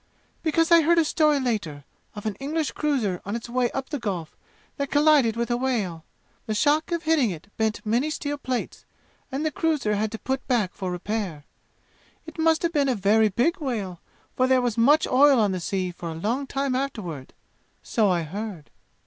"Because I heard a story later, of an English cruiser on its way up the Gulf, that collided with a whale. The shock of hitting it bent many steel plates, and the cruiser had to put back for repair. It must have been a very big whale, for there was much oil on the sea for a long time afterward. So I heard.